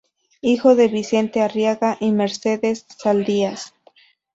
Hijo de Vicente Arriagada y Mercedes Saldías.